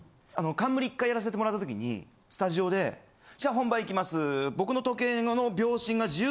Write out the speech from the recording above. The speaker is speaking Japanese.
冠１回やらせてもらったときにスタジオで「じゃあ本番いきます」。